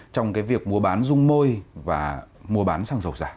trong cái việc mua bán rung môi và mua bán xăng dầu giả